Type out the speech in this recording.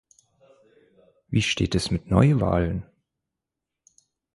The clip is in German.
Wie steht es mit Neuwahlen?